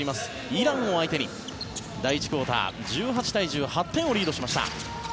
イランを相手に第１クオーター、１８対１０８点をリードしました。